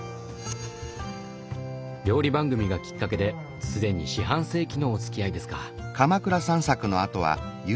料理番組がきっかけで既に四半世紀のおつきあいですか。